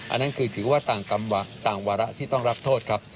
อันนั้นคือถือว่าต่างวาระที่ต้องรับโทษครับ